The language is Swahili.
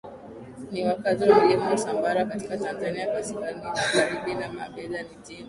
ni wakazi wa milima ya Usambara katika Tanzania kaskazinimagharibiNa Mbegha ni jina